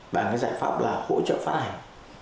bằng cái giải pháp là hỗ trợ phát hành